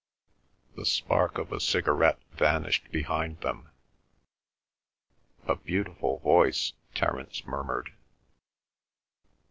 The spark of a cigarette vanished behind them. "A beautiful voice," Terence murmured.